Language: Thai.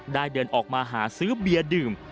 เดินออกมาหาซื้อเบียร์ดื่ม